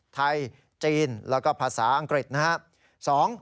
จีนแล้วก็ภาษาอังกฤษนะครับ